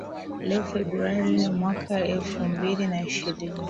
leo Februari nne mwaka elfumbili na ishirini